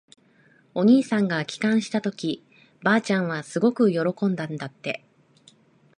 お兄さんが帰還したとき、ばあちゃんはすごく喜んだんだって。